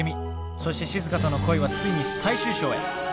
そしてしずかとの恋はついに最終章へ。